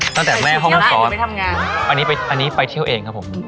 ตั้งแต่แม่ห้องสวนอันนี้ไปเที่ยวเองครับผม